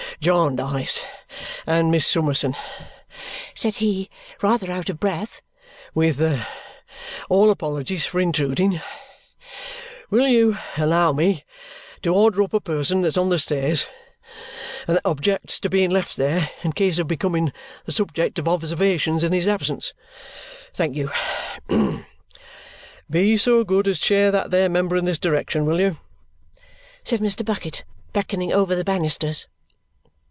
Jarndyce and Miss Summerson," said he, rather out of breath, "with all apologies for intruding, WILL you allow me to order up a person that's on the stairs and that objects to being left there in case of becoming the subject of observations in his absence? Thank you. Be so good as chair that there member in this direction, will you?" said Mr. Bucket, beckoning over the banisters.